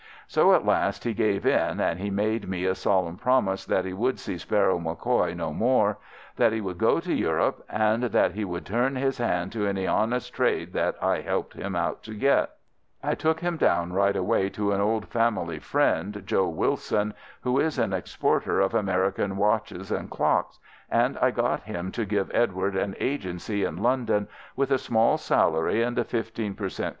So at last he gave in, and he made me a solemn promise that he would see Sparrow MacCoy no more, that he would go to Europe, and that he would turn his hand to any honest trade that I helped him to get. I took him down right away to an old family friend, Joe Willson, who is an exporter of American watches and clocks, and I got him to give Edward an agency in London, with a small salary and a 15 per cent.